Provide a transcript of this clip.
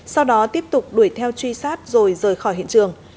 sau đó tiếp tục đuổi theo truy sát rồi rời khỏi hiện trường